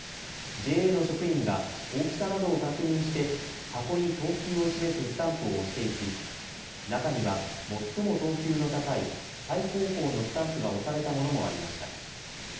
ＪＡの職員が大きさなどを確認して、箱に等級を示すスタンプを押していき、中には最も等級の高い最高峰のスタンプが押されたものもありました。